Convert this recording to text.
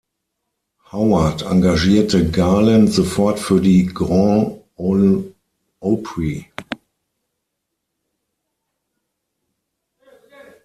Howard engagierte Garland sofort für die Grand Ole Opry.